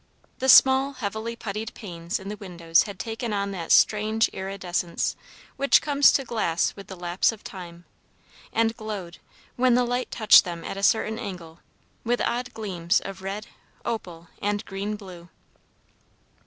The small heavily puttied panes in the windows had taken on that strange iridescence which comes to glass with the lapse of time, and glowed, when the light touched them at a certain angle, with odd gleams of red, opal, and green blue.